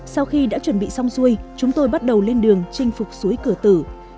sau khi đã chuẩn bị xong xuôi chúng tôi bắt đầu lên đường chinh phục suối cửa tử